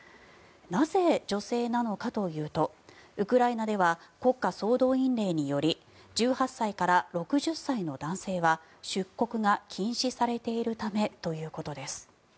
なぜ女性なのかというとウクライナでは国家総動員令により１８歳から６０歳の男性は出国が禁止されているためということです。